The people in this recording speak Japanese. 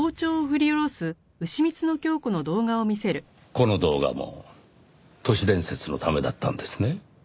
この動画も都市伝説のためだったんですね？